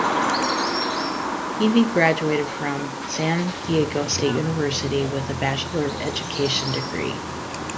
Peevey graduated from San Diego State University with a Bachelor of Education degree.